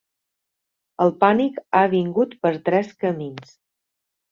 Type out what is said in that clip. El pànic ha vingut per tres camins.